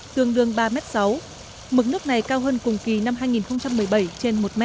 tương đương ba sáu mực nước này cao hơn cùng kỳ năm hai nghìn một mươi bảy trên một m